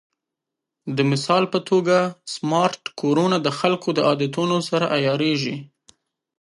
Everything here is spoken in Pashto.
د مثال په توګه، سمارټ کورونه د خلکو د عادتونو سره عیارېږي.